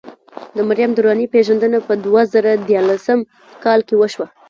د مریم درانۍ پېژندنه په دوه زره ديارلسم کال کې وشوه.